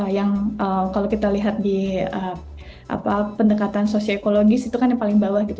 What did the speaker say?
yang kalau kita lihat di pendekatan sosiekologis itu kan yang paling bawah gitu